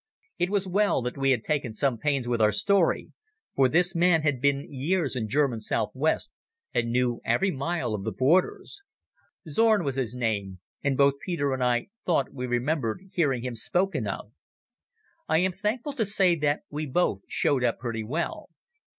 It was well that we had taken some pains with our story, for this man had been years in German South West, and knew every mile of the borders. Zorn was his name, and both Peter and I thought we remembered hearing him spoken of. I am thankful to say that we both showed up pretty well.